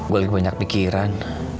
gue banyak pikiran